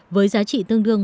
với giá trị tương đương